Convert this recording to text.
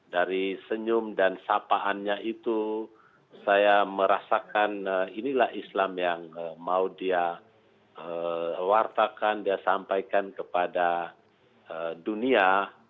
dari senyum dan sapaannya itu saya merasakan inilah islam yang mau dia wartakan dia sampaikan kepada dunia